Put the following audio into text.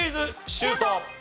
シュート！